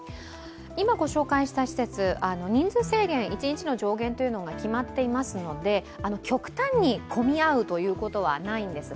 今の施設、人数制限、一日の上限が決まっていますので極端に混み合うことはないんです。